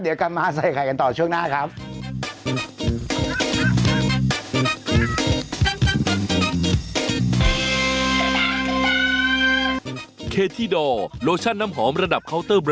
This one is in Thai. เดี๋ยวกลับมาใส่ไข่กันต่อช่วงหน้าครับ